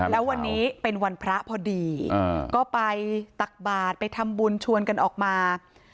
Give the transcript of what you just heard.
แล้ววันนี้เป็นวันพระพอดีก็ไปตักบาทไปทำบุญชวนกันออกมา